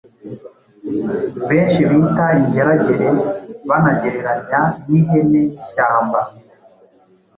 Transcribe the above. benshi bita ingeragere, banagereranya n’ihene y’ishyamba.